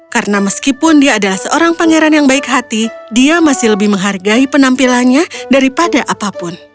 karena meskipun dia adalah seorang pangeran yang baik hati dia masih lebih menghargai penampilannya daripada apapun